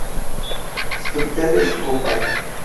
Su capital es Bhopal.